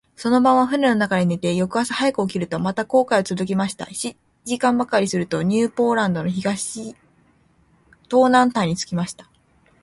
その晩は舟の中で寝て、翌朝早く起きると、また航海をつづけました。七時間ばかりすると、ニューポランドの東南端に着きました。